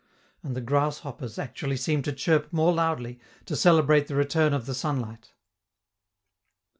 And the grasshoppers actually seem to chirp more loudly, to celebrate the return of the sunlight.